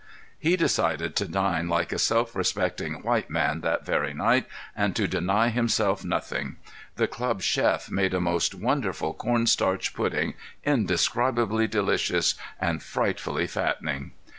He decided to dine like a self respecting white man that very night, and to deny himself nothing. The club chef made a most wonderful corn starch pudding, indescribably delicious and frightfully fattening.